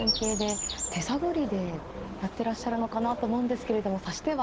手探りでやってらっしゃるのかなと思うんですけれども指し手は。